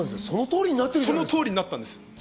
その通りになったんです。